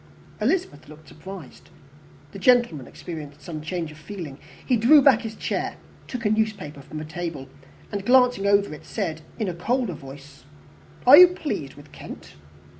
Elizabeth looked surprised. The gentleman experienced some change of feeling; he drew back his chair, took a newspaper from the table, and, glancing over it, said, in a colder voice, "Are you pleased with Kent?"